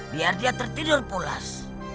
biar dia tertidur pulas